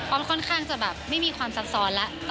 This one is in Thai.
ค่อนข้างจะแบบไม่มีความซับซ้อนแล้ว